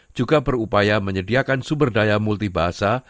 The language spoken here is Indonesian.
juga berupaya menyediakan sumber daya multibahasa